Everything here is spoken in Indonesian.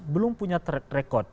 belum punya rekod